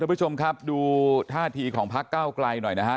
ผู้ชมครับดูท่าทีของพักเก้าไกลหน่อยนะฮะ